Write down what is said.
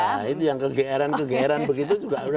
nah itu yang kegeeran kegeeran begitu juga